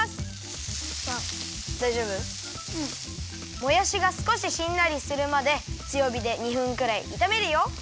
もやしがすこししんなりするまでつよびで２分くらいいためるよ。